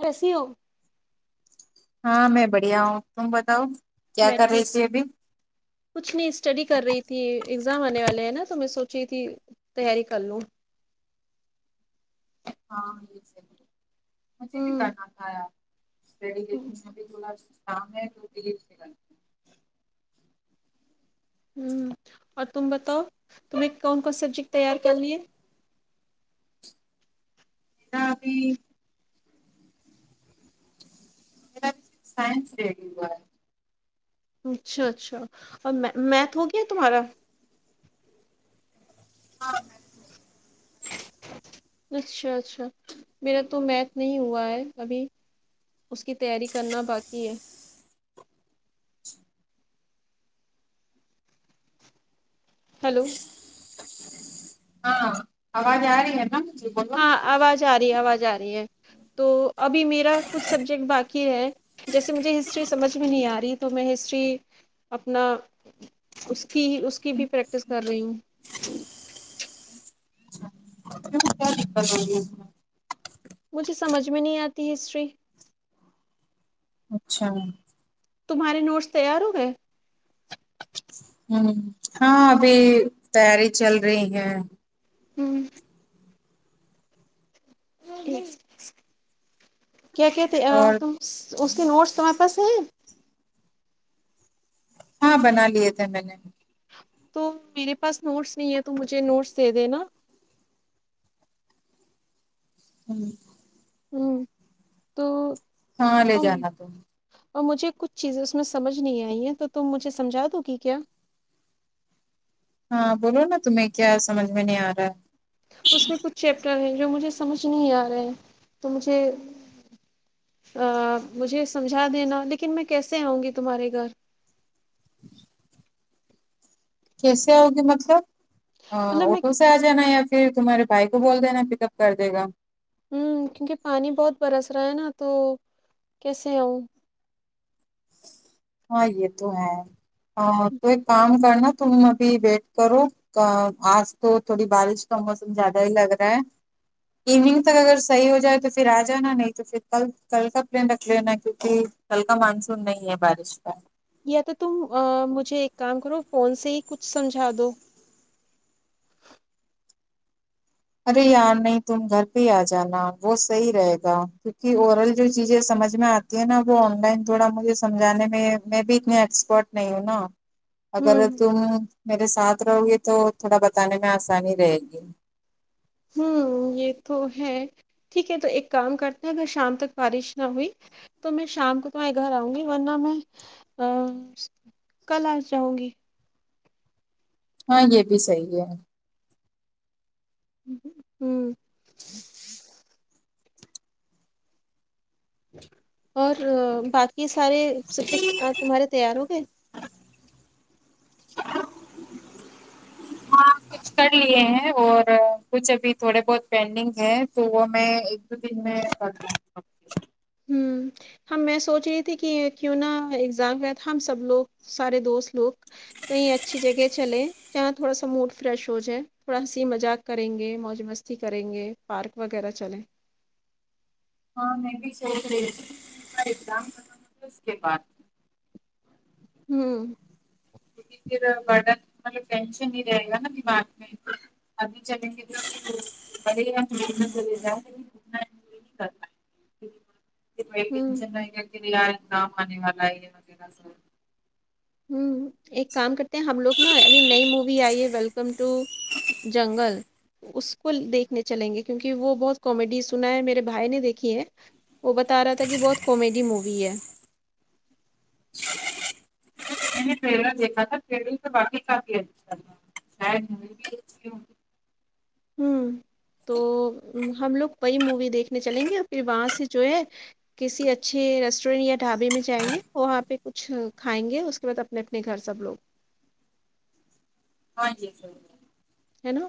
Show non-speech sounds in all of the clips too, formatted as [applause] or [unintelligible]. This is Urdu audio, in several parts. کیسی ہو ہاں میں بڑھیا ہوں تم بتاؤ کیا میں کر رہی ٹھیک تھی ابھی کچھ نہیں اسٹڈی کر رہی تھی ایگزام آنے والے ہیں نا تو میں سوچ رہی تھی تیاری کر لوں ہاں یہ صحیح مجھے بھی ہوں کرنا تھا یار صحیح ہوں لیکن ابھی تھوڑا سا کام ہے [unintelligible] ہ اور تم بتاؤ تمہیں کون کون سبجیکٹ تیار کر لیے [unintelligible] میرا سائنس ریڈی ہوا ہے اچھا اچھا اور میتھ ہو گیا تمہارا ہاں میتھ ہو گیا اچھا اچھا میرا تو میتھ نہیں ہوا ہے ابھی اس کی تیاری کرنا باقی ہے ہیلو ہاں آواز آ رہی ہے نا جی بولو ہاں آواز آ رہی ہے آواز آ رہی ہے تو ابھی میرا کچھ سبجیکٹ باقی ہے جیسے مجھے ہسٹری سمجھ میں نہیں آ رہی تو میں ہسٹری اپنا اس کی اس کی بھی پریکٹس کر رہی ہوں [unintelligible] کیا دقت ہوگی اس مجھے سمجھ میں نہیں آتی ہسٹری اچھا تمہارے نوٹس تیار ہو گئے ہ ہاں ابھی تیاری چل رہی ہے ہوں کیا کہتے اور اس کی نوٹس تمہارے پاس ہے ہاں بنا لیے تھے میں نے تو میرے پاس نوٹس نہیں ہے تو مجھے نوٹس دے دینا ہوں ہوں تو ہاں لے جانا تم اور مجھے کچھ چیزیں اس میں سمجھ نہیں آئی ہیں تو تم مجھے سمجھا دو گی کیا ہاں بولو نا تمہیں کیا سمجھ میں نہیں آ رہا ہے اس میں کچھ چیپٹر ہیں جو مجھے سمجھ نہیں آ رہے ہیں تو مجھے ا مجھے سمجھا دینا لیکن میں کیسے آؤں گی تمہارے گھر کیسے آؤ گی مطلب مطلب میں آٹو سے آ جانا یا پھر تمہارےبھائی کو بول دینا پک اپ کر دے گا ہوں کیونکہ پانی بہت برس رہا ہے نا تو کیسے آؤ ہاں یہ تو ہے تو ایک کام کرنا تم ابھی ویٹ کرو آج تو تھوڑی بارش کا موسم زیادہ ہی لگ رہا ہے ایوننگ تک اگر صحیح ہو جائے تو پھر آ جانا نہیں تو پھر کل کل کا پلین رکھ لینا کیونکہ کل کا مانسون نہیں ہے بارش کا یا تو تم مجھے ایک کام کرو فون سے ہی کچھ سمجھا دو ارے یار نہیں تم گھر پہ ہی آ جانا وہ صحیح رہے گا کیونکہ اورل جو چیزیں سمجھ میں آتی نا وہ آن لائن تھوڑا مجھے سمجھانے میں میں بھی اتنے ایکسپرٹ نہیں ہوں نا اگر ہوں تم میرے ساتھ رہو گی تو تھوڑا بتانے میں آسانی رہے گی ہوں یہ تو ہے ٹھیک ہے تو ایک کام کرتے ہیں اگر شام تک بارش نہ ہوئی تو میں شام کو تمہارے گھر آؤں گی ورنہ میں کل آ جاؤں گی ہاں یہ بھی صحیح ہے ہوں اور باقی سارے سبجیکٹ اج تمہارے تیار ہو گئے ہاں کچھ کر لیے ہیں اور کچھ ابھی تھوڑے بہت پینڈنگ ہے تو وہ میں دو دن میں کر ہوں ہوں ہم میں سوچ رہی تھی کہ کیوں نہا ایگزام کا تھا ہم سب لوگ سارے دوست لوگ کہئی اچھی جگہ چلے جہاں تھوڑا سا موڈ فریش ہو جائے تھوڑا ہنسی مذاق کریں گے موج مستی ای کریں گے پارک وغیرہ چلیں ہاں میں بھی سوچ رہی تھی کا اگزام کرانا تھا اس کے بعد ہوں پھر برڈن مطلب ٹینشن نہیں رہے گا نا دماغ میں ابھی [unintelligible] کر پائیں ہوں [unintelligible] یار کام آنے والا ہے یہ وغیرہ س ہوں ایک کام کرتے ہیں ہم لوگ نا ابھی نئی مووی آئی ہے ویلکم ٹو جنگل اس کو دیکھ چلیں گے کیونکہ وہ بہت کامیڈی سنا ہے میرے بھائی نے دیکھی ہے وہ بتا رہا تھا کہ بہت کومیڈی مووی ہے میں نے ٹریلر دیکھا تھا ٹلر سے باقی کافی اچھا [unintelligible] ہوں تو ہم لوگ وہئی مووی دیکھنے چلیں گے اور پھر وہاں سے جو ہے کسی اچھے ریسٹورینٹ یا ڈھابے میں جائیں گے وہاں پہ کچھ کھائیں گے اس کے بعد اپنے اپنے گھر سب لوگ ہاں جی جی ہے نا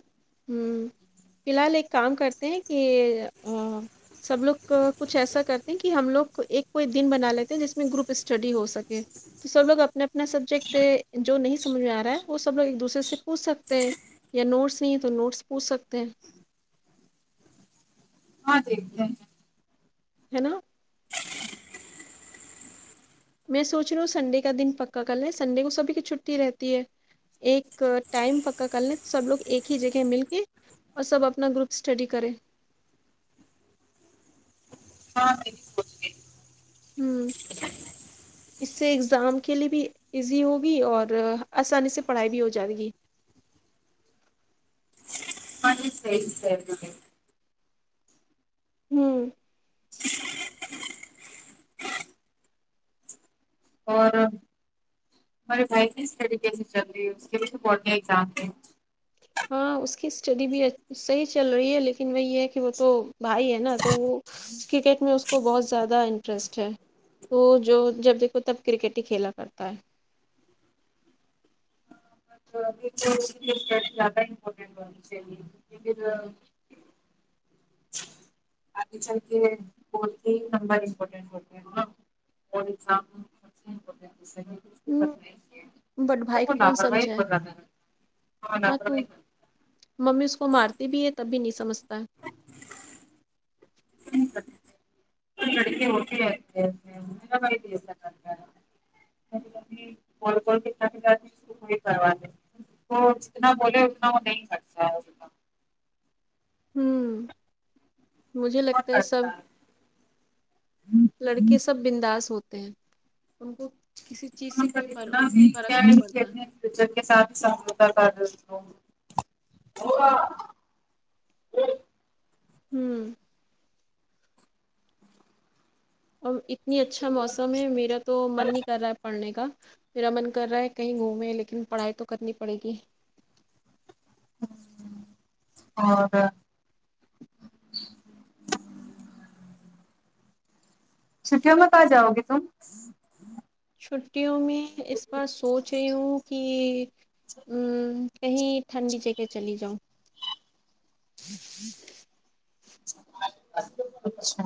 ہم فی الحال ایک کام کرتے ہیں کہ اہ سب لوگ کچھ ایسا کرتے ہیں کہ ہم لوگ ایک کوئی دن بنا لیتے ہیں جس میں گروپ اسٹڈی ہو سکے تو سب لوگ اپنا اپنا سبجیکٹ جو نہیں سمجھ میں ا رہا ہے وہ سب لوگ ایک دوسرے سے پوچھ سکتے ہیں یا نوٹس نہیں تو نوٹس پوچھ سکتے ہیں ہاں جی ایکدم ہے نا میں سوچ رہا ہوں سنڈے کا دن پکا کل ہے سنڈے کو سبھی کی چھٹی رہتی ہے ایک ٹائم پکا کر لیں تو سب لوگ ایک ہی جگہ مل کے اور سب اپنا گروپ اسٹڈی کریں ہاں بالکل ہم اس سے ایگزام کے لیے بھی ایزی ہوگی اور اسانی سے پڑھائی بھی ہو جائے گی ا سی سر [inaudible] ہم اور ہمارے بھائی کی اس سٹڈی چل رہی ہے اس کے بھی تو بورڈ کہ ایگزام ہے ہاں اس کی اسٹڈی بھی اچ صحیح چل رہی ہے لیکن وہ یہ ہے کہ وہ تو بھائی ہے نا تو وہ کرکٹ میں اس کو بہت زیادہ انٹرسٹ ہے تو جو جب دیکھو تب کرکٹ ہی کھیلا کرتا ہے اپھر [unintelligible] اگے چل کے بوٹ کے نمبر ہی امپورٹنٹ ہوتے ہیں نا اور ایگزام ہوں بٹ بھائی کو کون سمجھائے [unintelligible] ہاں تو ممی اس کو مارتی بھی ہے تب بھی نہیں سمجھتا [unintelligible] ہاں لڑکے ہوتے ہی ایسے ہیں میرا بھائی بھی ایسے ہی کرتا ہے [unintelligible] وہ جتنا بولے اتنا وہ نہیں کرتا ہے [unintelligible] ہمم مجھے لگتا ہے سب لڑکے سب بنداز ہوتے ہیں ان کو کسی چیز سے کوئی پرق فرق نہیں پڑتا تو سب کے ساتھ سمجھوتا کر ہوں ہوگا ہمم آ اتنی اچھا موسم ہے میرا تو من نہیں کر رہا ہے پڑھنے کا میرا من کر رہا ہے کہیں گھومے لیکن پڑھائی تو کرنی پڑے گی ہمم اور چھٹیوں میں پاس جاؤ گے تم چھٹیوں میں اس بار سوچ رہی ہوں کی اچھا ہمم کہیں ٹھنڈی جگہ چلی جاؤں اچھا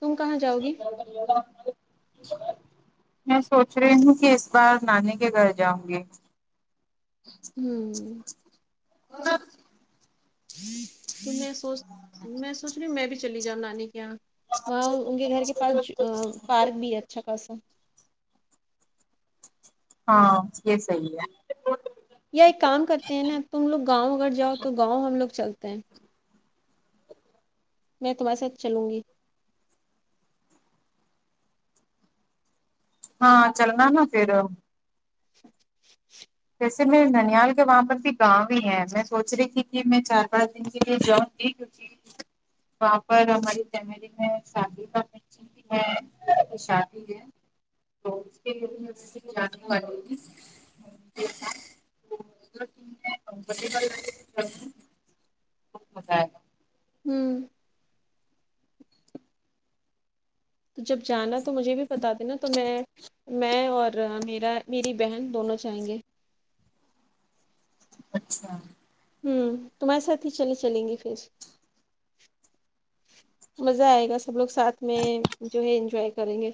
تم کہاں جاؤ گی [unintelligible] میں سوچ رہی ہوں کی اس بار نانی کے گھر جاؤں گی ا ہوں [inaudible] تو میں سوچ میں سوچ رہی میں بھی چلی جاؤں نانی کے یہاں وہاں ان کے گھر کے پاس پارک بھی ہے اچھا خاصا ہاں یے صحیح ہے یا ایک کام کرتے ہیں نا تم لوگ گاوں اگر جاو تو گاوں ہم لوگ چلتے ہیں میں تمہارے ساتھ چلوں گی ہاں چلنا نا پھر جیسے میں ننیال کے وہاں پر بھی گاوں ہی ہے میں سوچ رہی تھی کہ میں چار پانچ دن کے لیے جاوں گی وہاں پر ہماری فملی میں شادی کا کچھ شادی ہے تو اس کے لیے میں جانے والی تھی [unintelligible] ہو جائے گا ہمم تو جب جانا تو مجھے بھی بتا دینا تو میں میں اور میرا میری بہن دونوں جائیں گے اچھا ہمم تمہارے ساتھ ہی چلے چلیں گے پھر مزہ ائے گا سب لوگ ساتھ میں جو ہے انجوائے کریں گے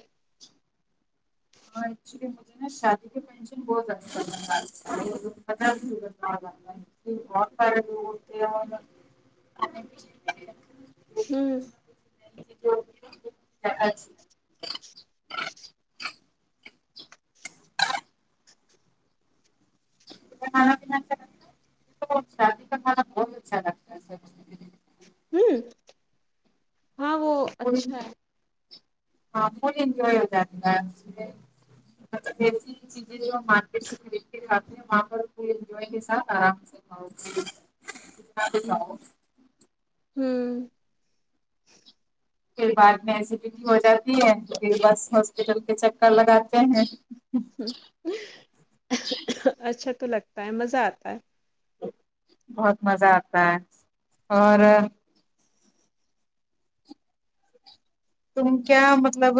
ہاں [unintelligible] شادی کی [unintelligible] جی بہت سارے لوگ ہوتے ہیں وہاں پر ہوں ا انااد کا کانا بہت ہی اچھا تھا سب ہوں ہاں وہ اور اچھا ہے ہاں فل انجوائے ہو جاتا ہے اس میں چیزیں جو مارکیٹ سے کلٹ اتے ہیں وہاں پر پور انجوےکے ساتھ ارام سے وہ ساو ہوں پھر بعد میں ای سی بیٹی ہو جاتی ہے پھر بس ہاسپٹل کے چکر لگاتے ہیں ہ اچھا تو لگتا ہے مزہ اتا ہے بہت مزہ اتا ہے اور تم کیا مطلب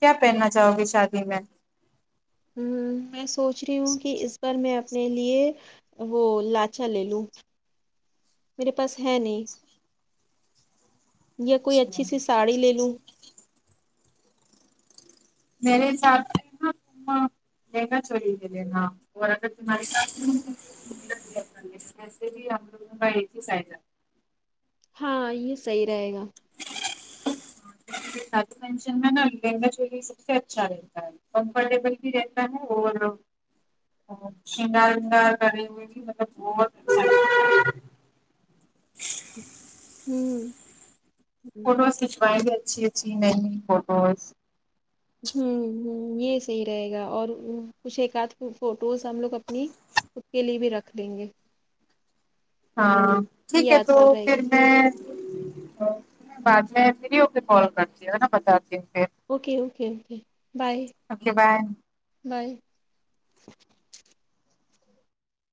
کیا پہننا چاہو گے شادی میں میں سوچ رہی ہوں کہ اس بار میں م لیے وہ لاچا لے لوں میرے پاس ہے نہیں یا کوئی اچھی اچھا سی ساڑی لے لوں نیرے چار لگا چولی گے نا اور اگرتمہاری ساس وسے بھی ہم کا ایک ہی سائز ہے ہاں یہ صحیح رہے گا شن میں نا لیننگا چلی سب سے اچھا رہتا ہے کمفرٹیبل بھی رہتا ہے اور شندا کرے ہوئے بھی مطلب بہت ہوں فوٹوز کھنچوائیں گے اچھی اچھی نئی نئی فوٹوز ہ ہ یہ صحیح رہے گا اور کچھ ایک ادھ فوٹوز ہم لوگ اپنی اس کے لیے بھی رکھ دیں گے ہاں یہ ٹھیک ہے تو یادگار رہے پھر گی میں بعد میں پھری ہو کے کال کرتی ہوں نا بتاتی ہوں پھر okay okay okay bye okay bye bye